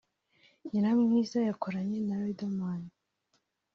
“Nyiramwiza” yakoranye na Riderman